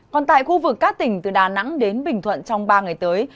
còn tại khu vực các tỉnh từ đà nẵng đến bình thuận trong ba ngày tới